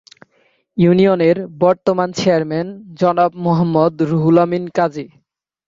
ইউনিয়নের বর্তমান চেয়ারম্যান জনাব মোহাম্মদ রুহুল আমিন কাজী।